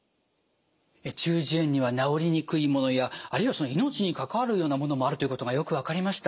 中耳炎には治りにくいものやあるいは命に関わるようなものもあるということがよく分かりました。